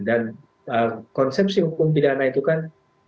dan konsepsi hukum pidana itu kan